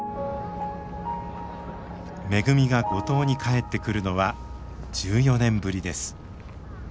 めぐみが五島に帰ってくるのは１４年ぶりです。